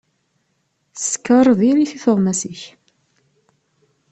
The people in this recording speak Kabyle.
Sskeṛ diri-t i tuɣmas-ik.